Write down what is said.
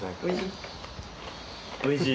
おいしい。